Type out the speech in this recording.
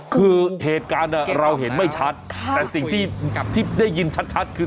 คือเหตุการณ์เราเห็นไม่ชัดแต่สิ่งที่ได้ยินชัดคือ